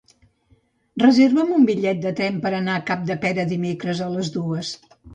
Reserva'm un bitllet de tren per anar a Capdepera dimecres a les dues.